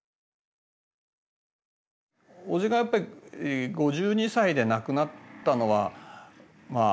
叔父がやっぱり５２歳で亡くなったのはまあ